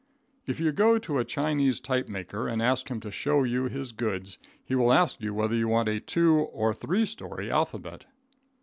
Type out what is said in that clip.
If you go to a Chinese type maker and ask him to show you his goods, he will ask you whether you want a two or a three story alphabet.